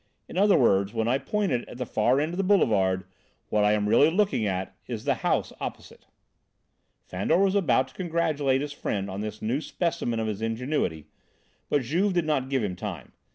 In other words, when I point it at the far end of the boulevard, what I am really looking at is the house opposite." Fandor was about to congratulate his friend on this new specimen of his ingenuity, but Juve did not give him time.